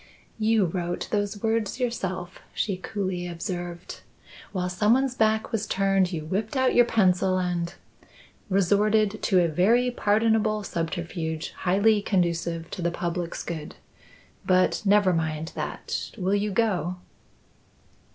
"You wrote those words yourself," she coolly observed. "While someone's back was turned, you whipped out your pencil and " "Resorted to a very pardonable subterfuge highly conducive to the public's good. But never mind that. Will you go?"